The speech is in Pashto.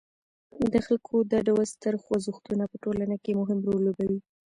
د خلکو دا ډول ستر خوځښتونه په ټولنه کې مهم رول لوبوي.